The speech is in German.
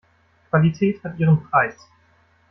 Qualität hat ihren Preis.